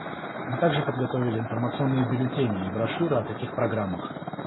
Мы также подготовили информационные бюллетени и брошюры о таких программах.